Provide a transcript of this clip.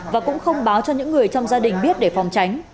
và cũng không báo cho những người trong gia đình biết để phòng tránh